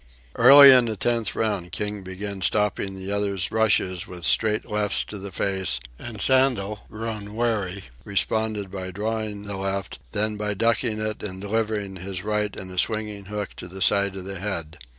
Early in the tenth round King began stopping the other's rushes with straight lefts to the face, and Sandel, grown wary, responded by drawing the left, then by ducking it and delivering his right in a swinging hook to the side of the head.